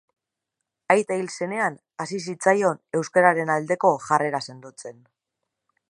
Aita hil zenean hasi zitzaion euskararen aldeko jarrera sendotzen.